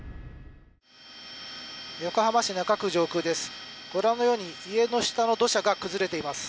横浜市中区上空です。